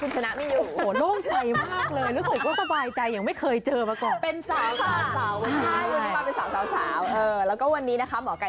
สวัสดีค่ะหมอก่าย